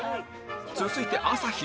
続いて朝日